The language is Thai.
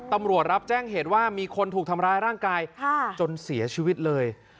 ตำรวจรับแจ้งเหตุว่ามีคนถูกทำร้ายร่างกายจนเสียชีวิตเลย